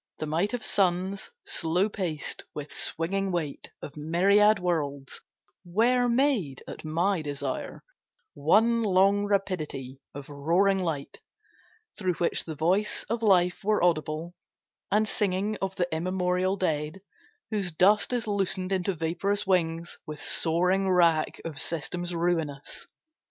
The might of suns, slow paced with swinging weight Of myriad worlds, were made at my desire One long rapidity of roaring light, Through which the voice of Life were audible, And singing of the immemorial dead Whose dust is loosened into vaporous wings With soaring wrack of systems ruinous.